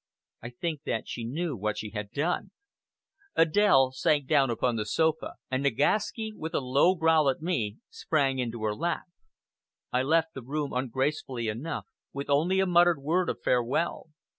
I think that she knew what she had done. Adèle sank down upon the sofa, and Nagaski, with a low growl at me, sprang into her lap. I left the room ungracefully enough, with only a muttered word of farewell.